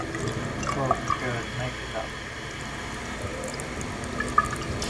Go to her and make it up.